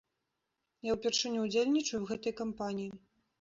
Я ўпершыню ўдзельнічаю ў гэтай кампаніі.